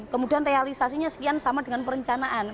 kemudian realisasinya sekian sama dengan perencanaan